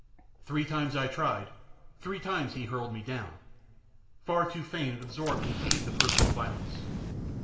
Three times I tried, three times he hurled me down, far too faint and absorbed to heed the personal violence.